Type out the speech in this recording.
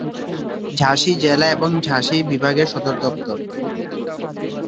ঝাঁসি জেলা এবং ঝাঁসি বিভাগের সদরদপ্তর।